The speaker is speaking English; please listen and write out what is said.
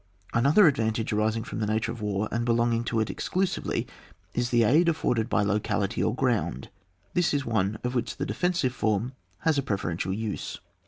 Another ad vantage arising from the nature of war and belonging to it exclusively, is the aid afforded by locality or ground ; this is one of which the defensive form has a preferential use.